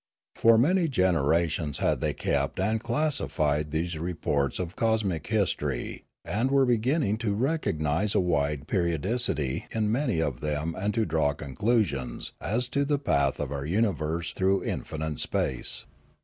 For many generations had they kept and classified these reports of cosmic history and were beginning to recognise a wide periodicity in many of them and to draw conclusions as to the path of our universe through infinite space.